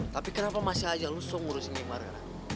tapi kenapa masih aja lo sok ngurusin geng wario